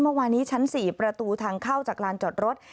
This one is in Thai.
เมื่อวานนี้ชั้น๔ประตูทางเข้าจากลานจอดรถ